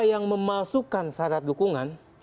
yang memasukkan syarat dukungan